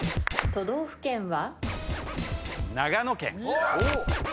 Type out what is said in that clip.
⁉都道府県は？